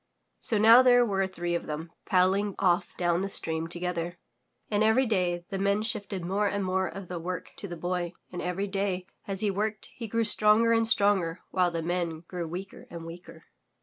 '' So now there were three of them paddling off down the stream together, and every day the Men shifted more and more of the work to the Boy and every day as he worked he grew stronger and stronger while the Men grew weaker and weaker.